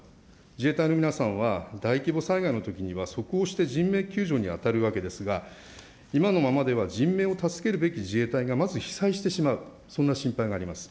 自衛隊の皆さんは大規模災害のときには即応して人命救助に当たるわけですが、今のままでは人命を助けるべき自衛隊がまず被災してしまう、そんな心配があります。